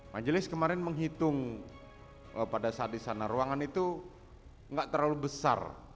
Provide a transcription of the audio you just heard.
majelis kemarin menghitung pada saat di sana ruangan itu nggak terlalu besar